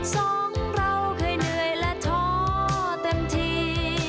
สองเราเคยเหนื่อยและท้อเต็มที